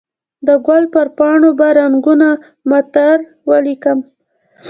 د ګل پر پاڼو به رنګونه معطر ولیکم